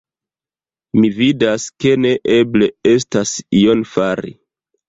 Mi vidas, ke neeble estas ion fari!